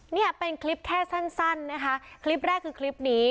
เนี่ยเป็นคลิปแค่สั้นนะคะคลิปแรกคือคลิปนี้